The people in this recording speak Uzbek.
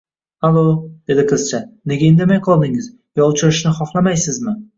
— Allo, — dedi qizcha. — Nega indamay qoldingiz? Yo uchrashishni xohlamaysizmi?